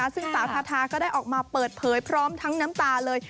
ซึ่งศาชาธาก็ได้เปิดเผยพร้อมทั้งน้ำตาเลย